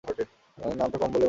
নামটা কম বয়সেই ভালো মানাতো।